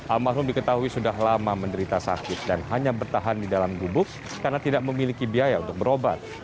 almarhum diketahui sudah lama menderita sakit dan hanya bertahan di dalam gubuk karena tidak memiliki biaya untuk berobat